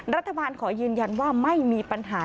รัฐบาลขอยืนยันว่าไม่มีปัญหา